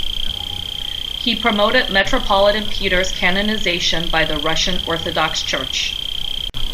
He promoted Metropolitan Peter's canonization by the Russian Orthodox Church.